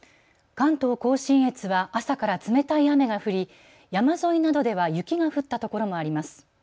関東甲信越は朝から冷たい雨が降り、山沿いなどでは雪が降った所もあります。